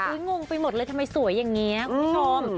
งงไปหมดเลยทำไมสวยอย่างนี้คุณผู้ชม